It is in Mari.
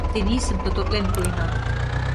Тенийсым тототлен пуэна.